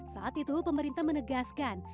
saat itu pemerintah menegaskan